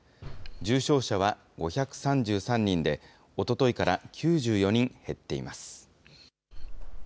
重症者は５３３人で、おとといから９４人減っています。